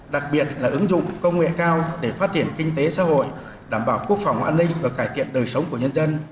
đặc biệt là ứng dụng công nghệ cao để phát triển kinh tế xã hội đảm bảo quốc phòng an ninh và cải thiện đời sống của nhân dân